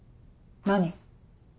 何？